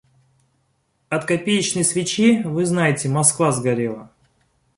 От копеечной свечи, вы знаете, Москва сгорела.